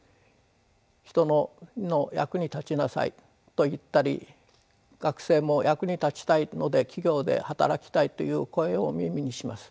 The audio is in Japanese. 「人の役に立ちなさい」と言ったり学生も「役に立ちたいので企業で働きたい」と言う声を耳にします。